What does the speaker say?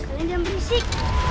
kalian jangan berisik